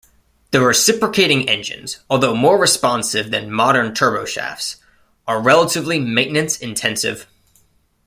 The reciprocating engines, although more responsive than modern turboshafts, are relatively maintenance intensive.